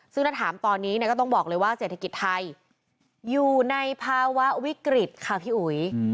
ซึ่งถ้าถามตอนนี้ก็ต้องบอกเลยว่าเศรษฐกิจไทยอยู่ในภาวะวิกฤตค่ะพี่อุ๋ย